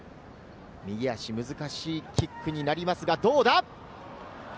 右足、難しいキックになりますが、どうだ？